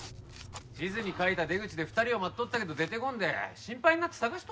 地図に描いた出口で２人を待っとったけど出てこんで心配になって捜しとったんやて。